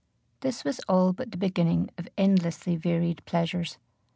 This was all but the beginning of endlessly varied pleasures.